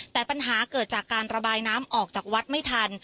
แต่ปัญหาเกิดจากการระบายน้ำออกจากวัดไม่ทัน